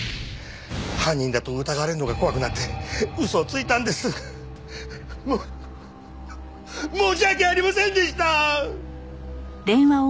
犯人だと疑われるのが怖くなって嘘をついたんです。も申し訳ありませんでした！